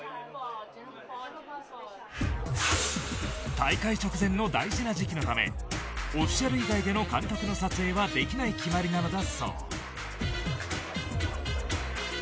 大会直前の大事な時期のためオフィシャル以外での監督の撮影はできない決まりなのだそう。